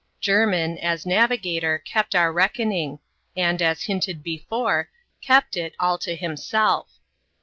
Jermin, as navigator, kept our reckoning; and, as hinted before, kept it all to himself.